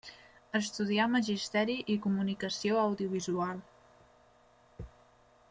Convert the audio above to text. Estudià magisteri i comunicació audiovisual.